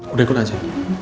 udah ikut aja